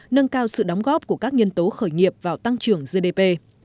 nâng cao sự đóng góp của các nhân tố khởi nghiệp vào tăng trưởng gdp